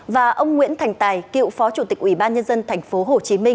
và ông nguyễn thành tài cựu phó chủ tịch ủy ban nhân dân tp hcm